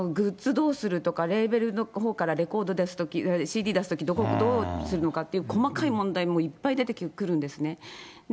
どうするとか、レーベルのほうからＣＤ出すときどうするのかっていう細かい問題もいっぱい出てくるんですね。